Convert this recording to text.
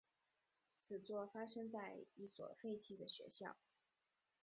此作发生在一所废弃的学校。